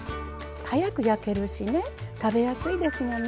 早く焼けるしね食べやすいですもんね。